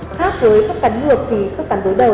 pháp với khớp cắn ngược thì khớp cắn đối đầu